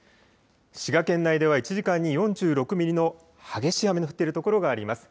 滋賀県内では１時間に４６ミリの激しい雨の降っている所があります。